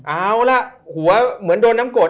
เอาล่ะหัวเหมือนโดนน้ำกด